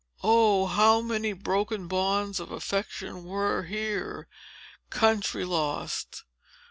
Oh, how many broken bonds of affection were here! Country lost!